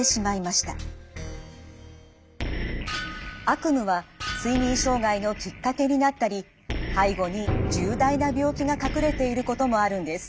悪夢は睡眠障害のきっかけになったり背後に重大な病気が隠れていることもあるんです。